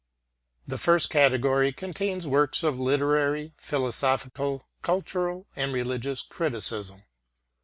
The first category contains works of literary, philosophical, cultural, and religious criticism.